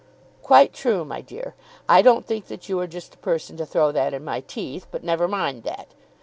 "Quite true, my dear. I don't think that you are just the person to throw that in my teeth; but never mind that.